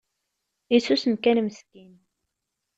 Isusem kan meskin